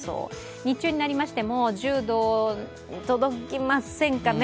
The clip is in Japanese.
日中になりましても、１０度に届きませんかね。